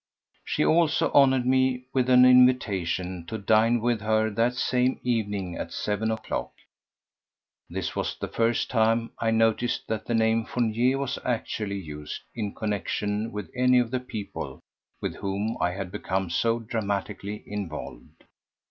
She also honoured me with an invitation to dine with her that same evening at seven of the clock. This was the first time, I noticed, that the name Fournier was actually used in connexion with any of the people with whom I had become so dramatically involved.